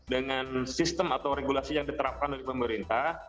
dengan sistem atau regulasi yang diterapkan oleh pemerintah